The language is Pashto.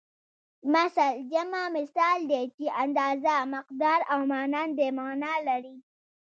مثل جمع مثال دی چې اندازه مقدار او مانند مانا لري